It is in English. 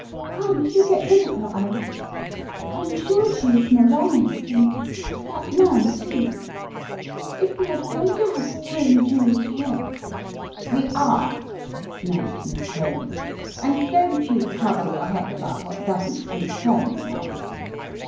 Can't you get rid of her, Aunt? I'm sure she is not honest, and that man, too. If we are going to have the Cheyne jewels here " The Cry in the Night 71 cc We are," snapped Miss Cheyne, "and don't you trouble your head about what doesn't concern you, my dear.